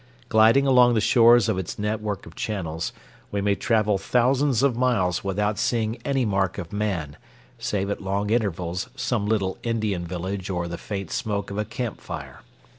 Gliding along the shores of its network of channels, we may travel thousands of miles without seeing any mark of man, save at long intervals some little Indian village or the faint smoke of a camp fire.